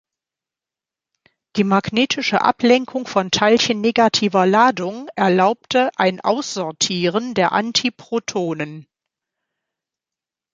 Die magnetische Ablenkung von Teilchen negativer Ladung erlaubte ein „Aussortieren“ der Antiprotonen.